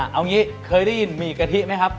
เอางี้เคยได้ยินหมี่กะทิไหมครับ